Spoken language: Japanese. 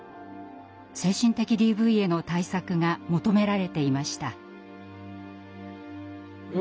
精神的ＤＶへの対策が求められていました。